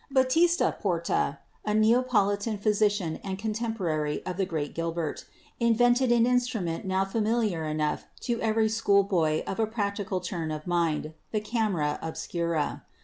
Baptista Porta, a Nea politan physician and contemporary of the great Gilbert, invented an instrument now familiar enough to every school boy of a practical turn of mind — the camera obscura.